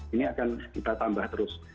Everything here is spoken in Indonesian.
ini akan kita tambah terus